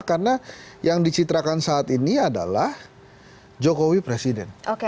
karena yang dicitrakan saat ini adalah jokowi presiden